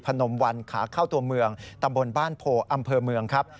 นมวันขาเข้าตัวเมืองตำบลบ้านโพอำเภอเมืองครับ